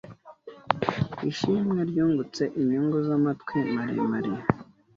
ishimwe ryungutse inyungu zamatwi maremare